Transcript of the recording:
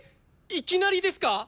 いきなりですか！？